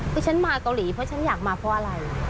คือฉันมาเกาหลีเพราะฉันอยากมาเพราะอะไร